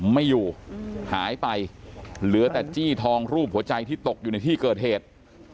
ไม่อยู่หายไปเหลือแต่จี้ทองรูปหัวใจที่ตกอยู่ในที่เกิดเหตุ